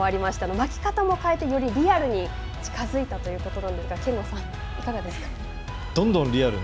巻き方も変えて、よりリアルに近づいたということなんですが、いかがですか。